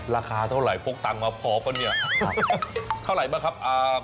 ราคาเท่าไหร่พบกันมาเพราะมั้ย